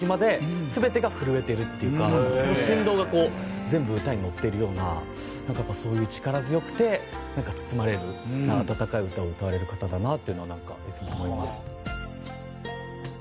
その振動がこう全部歌に乗ってるようなやっぱそういう力強くてなんか包まれる温かい歌を歌われる方だなっていうのはなんかいつも思いますね。